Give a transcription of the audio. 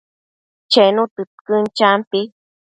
Chenu tëdquën, champi